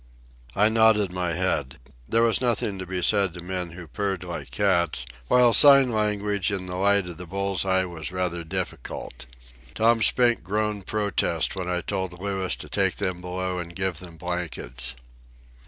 I nodded my head. There was nothing to be said to men who purred like cats, while sign language in the light of the bull's eye was rather difficult. Tom Spink groaned protest when I told Louis to take them below and give them blankets.